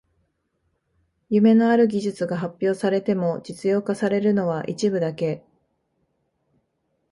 夢のある技術が発表されても実用化されるのは一部だけ